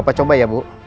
bapak coba ya bapak coba